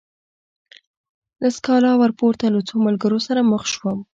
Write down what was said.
له سکالا ورپورته له څو ملګرو سره مخ شوم.